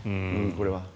これは。